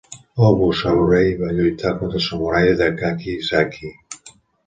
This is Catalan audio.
Obu Saburohei va lluitar contra els samurais de Kakizaki.